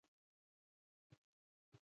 دې وسیلې مذهبي تعصبات کمول.